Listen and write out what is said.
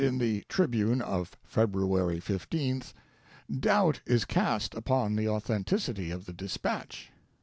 in the Tribune of February 15th, doubt is cast upon the authen ticity of the dispatch.